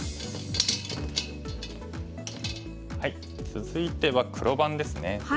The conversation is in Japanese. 続いては黒番ですね。